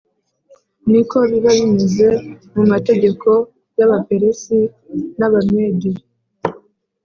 Niko biba bimeze mu mategeko y’Abaperesi n’Abamedi